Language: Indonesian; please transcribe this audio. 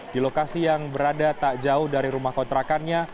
di lokasi yang berada tak jauh dari rumah kontrakannya